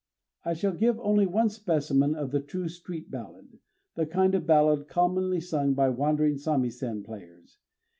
I shall give only one specimen of the true street ballad, the kind of ballad commonly sung by wandering samisen players.